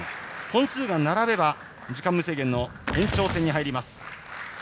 本数が並べば時間無制限の延長戦に入ります。